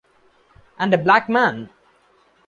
And a black man!